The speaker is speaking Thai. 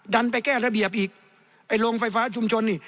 ดันไปแก้ระเบียบอีกไอ้โรงไฟฟ้าชุมชนนี่